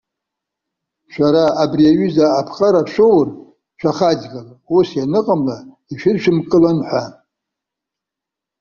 Шәара абри аҩыза аԥҟара шәоур, шәахаҵгыл, ус ианыҟамла, ишәыдшәымкылан ҳәа.